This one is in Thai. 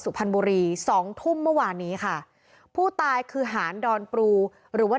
สุพรรณบุรีสองทุ่มเมื่อวานนี้ค่ะผู้ตายคือหานดอนปรูหรือว่า